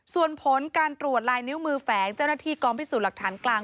ส่วนผลการตรวจลายนิ้วมือแฝงเจ้าหน้าที่กองพิสูจน์หลักฐานกลาง